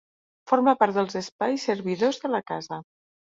Forma part dels espais servidors de la casa.